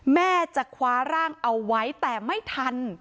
แม่จะคว้าร่างเอาไว้แต่ไม่ทัน